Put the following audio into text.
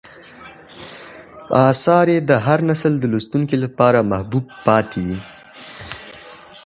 آثار یې د هر نسل د لوستونکو لپاره محبوب پاتې دي.